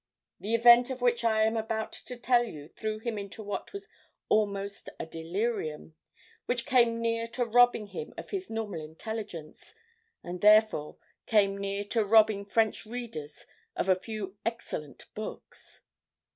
The event of which I am about to tell you threw him into what was almost a delirium, which came near to robbing him of his normal intelligence, and therefore came near to robbing French readers of a few excellent books.